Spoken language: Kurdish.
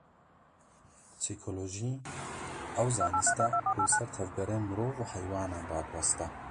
Psîkolojî, ew zanist e ku li ser tevgerên mirov û heywanan radiweste